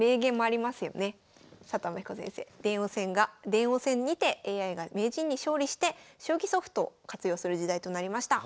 電王戦が電王戦にてＡＩが名人に勝利して将棋ソフトを活用する時代となりました。